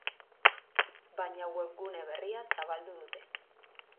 Baina web gune berria zabaldu dute.